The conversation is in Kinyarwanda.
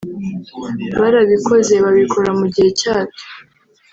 barabikoze babikora mu gihe cyabyo